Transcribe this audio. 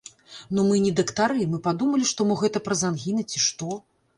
Ну мы не дактары, мы падумалі, што мо гэта праз ангіны, ці што.